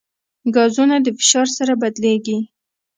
ګازونه د فشار سره بدلېږي.